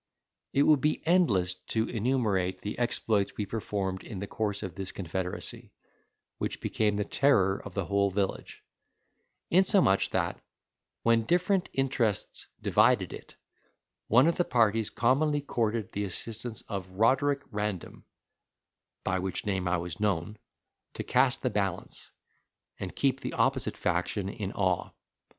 It would be endless to enumerate the exploits we performed in the course of this confederacy, which became the terror of the whole village; insomuch that, when different interests divided it, one of the parties commonly courted the assistance of Roderick Random (by which name I was known) to cast the balance, and keep the opposite faction in awe.